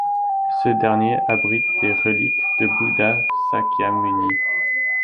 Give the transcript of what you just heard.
Ce dernier abrite des reliques de Bouddha Sakyamuni.